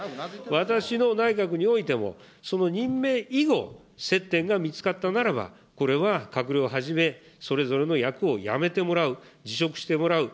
私の内閣においても、その任命以後、接点が見つかったならば、これは閣僚をはじめそれぞれの役を辞めてもらう、辞職してもらう、